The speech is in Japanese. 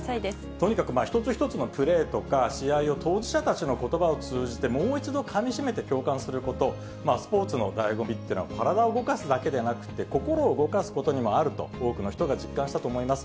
とにかく一つ一つのプレーとか試合を、当事者たちのことばを通じてもう一度かみしめて共感すること、スポーツのだいご味っていうのは体を動かすだけではなくて、心を動かすことにもあると、多くの人が実感したと思います。